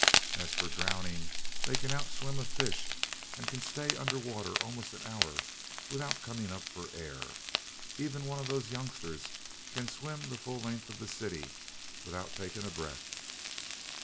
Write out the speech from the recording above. And as for drowning they can out swim a fish, and can stay under water almost an hour without coming up for air. Even one of those youngsters can swim the full length of the city without taking a breath."